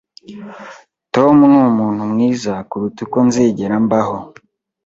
Tom numuntu mwiza kuruta uko nzigera mbaho.